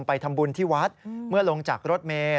ไปทำบุญที่วัดเมื่อลงจากรถเมย์